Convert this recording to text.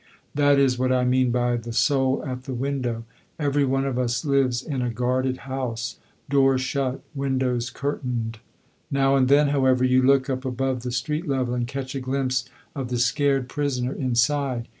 That is what I mean by the soul at the window. Every one of us lives in a guarded house; door shut, windows curtained. Now and then, however, you look up above the street level and catch a glimpse of the scared prisoner inside.